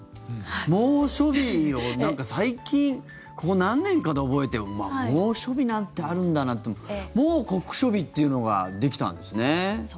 猛暑日を最近ここ何年かで覚えてうわ、猛暑日なんてあるんだなんてもう酷暑日っていうのができたんですね。